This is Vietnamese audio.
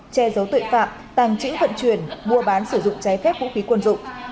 che dấu tội phạm tàng trĩu phận truyền mua bán sử dụng trái phép vũ khí quân dụng